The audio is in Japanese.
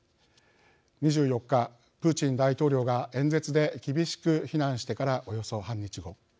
２４日プーチン大統領が演説で厳しく非難してからおよそ半日後